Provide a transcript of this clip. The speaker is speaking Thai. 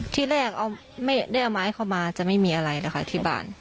ที่แรกไม่ได้เอาไม้เข้ามาจะไม่มีอะไรนะคะที่บ้าน